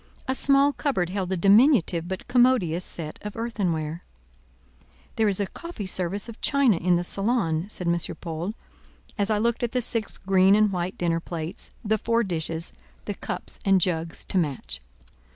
A small cupboard held a diminutive but commodious set of earthenware. "There is a coffee service of china in the salon," said M. Paul, as I looked at the six green and white dinner plates; the four dishes, the cups and jugs to match.